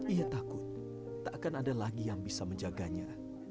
ia takut tak akan ada lagi yang bisa menjaganya